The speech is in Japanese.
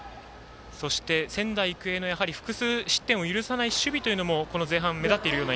そして、仙台育英の複数失点を許さない守備も前半、目立っています。